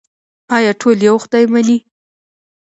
آیا ټول یو خدای مني؟